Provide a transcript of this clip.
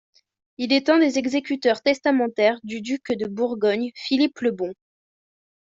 Il est un des exécuteurs testamentaires du duc de Bourgogne Philippe le Bon.